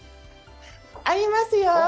ありますよ。